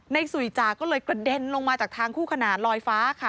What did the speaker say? สุยจ่าก็เลยกระเด็นลงมาจากทางคู่ขนาดลอยฟ้าค่ะ